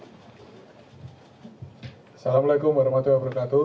assalamu'alaikum warahmatullahi wabarakatuh